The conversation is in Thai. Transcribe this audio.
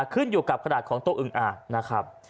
ขึ้นอยู่กับขนาดของตัวอึงอ่างนะครับ